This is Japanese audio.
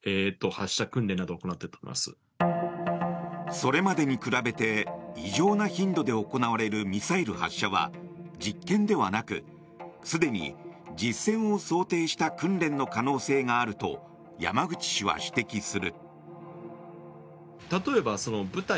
それまでに比べて異常な頻度で行われるミサイル発射は実験ではなくすでに実戦を想定した訓練の可能性があると山口氏は指摘する。